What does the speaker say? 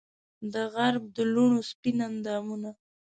دغرب د لوڼو سپین اندامونه